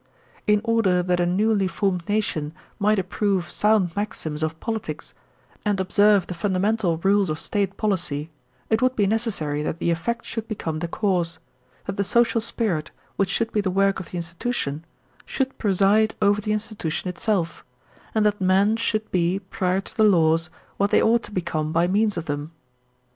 In order that a newly formed nation might approve sound maxims of politics and observe the fundamental rules of state policy, it would be necessary that the effect should become the cause ; that the social spirit, which should be the work of the institution, should preside over the insti tution itself, and that men should be, prior to the laws, what they ought to become by means of them.